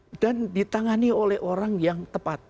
konsisten dan ditangani oleh orang yang tepat